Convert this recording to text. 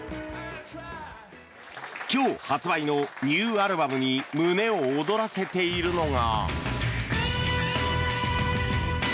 今日発売のニューアルバムに胸を躍らせているのが。